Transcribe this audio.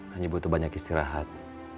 hanya butuh banyak istirahat